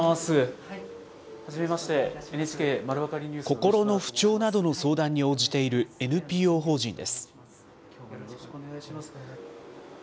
心の不調などの相談に応じているＮＰＯ法人です。